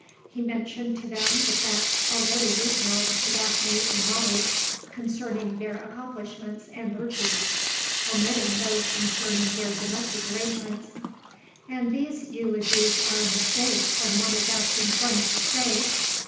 He mentioned to them the facts already retailed to Daphne and Molly concerning their accomplishments and virtues (omitting those concerning their domestic arrangements). And these eulogies are a mistake when one is asking friends to stay.